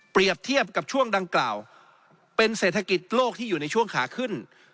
เทียบกับช่วงดังกล่าวเป็นเศรษฐกิจโลกที่อยู่ในช่วงขาขึ้น